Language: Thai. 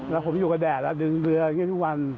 แล้วผมอยู่กับแดดแล้วดึงเรืออย่างนี้ทุกวัน